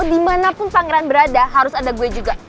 dimanapun pangeran berada harus ada gue juga